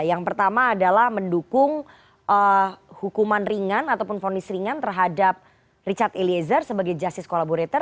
yang pertama adalah mendukung hukuman ringan ataupun fonis ringan terhadap richard eliezer sebagai justice collaborator